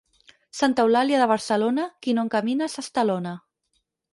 Santa Eulàlia de Barcelona, qui no camina s'estalona.